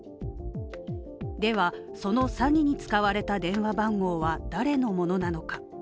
では、その詐欺に使われた電話番号は誰のものなのか。